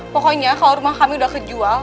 pokoknya kalau rumah kami sudah kejual